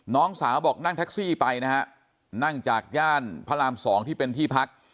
น้องสาวบอกนั่งแท็กซี่ไปนะฮะนั่งจากย่านพระราม๒ที่เป็นที่พัก